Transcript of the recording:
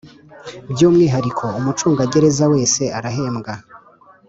By umwihariko umucungagereza wese arahembwa